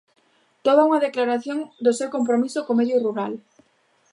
Toda unha declaración do seu compromiso co medio rural.